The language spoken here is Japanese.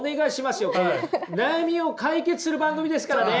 悩みを解決する番組ですからね！